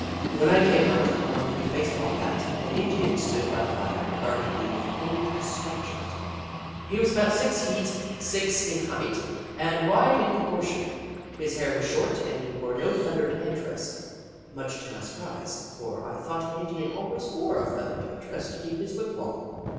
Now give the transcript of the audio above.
When I came out, armed with a base ball bat, an Indian stood by the fire, regarding me with pained as tonishment. He was about six feet six in height, and wide in proportion. His hair was short, and he wore no feathered head dress, much to my surprise, for I thought an Indian always wore a feathered head dress to keep his wigwa'm.